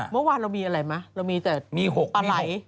เมื่อวานเรามีอะไรมั้ยเรามีแต่ปลาย